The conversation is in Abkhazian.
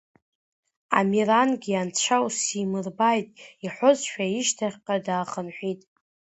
Амерангьы анцәа усимырбааит иҳәозшәа, ишьҭахьҟа даахынҳәит.